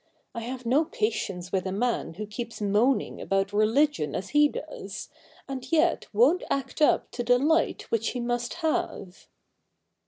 I have no patience with a man who keeps moaning about religion as he does, and yet won't act up to the light which he must have.'